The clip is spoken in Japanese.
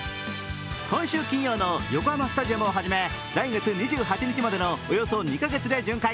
今週金曜の横浜スタジアムをはじめ、来月２８日までのおよそ２か月で巡回。